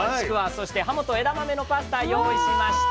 そして「はもと枝豆のパスタ」用意しました！